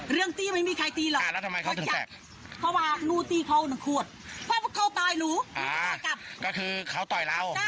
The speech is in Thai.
เรื่องตีไม่มีใครตีแล้ว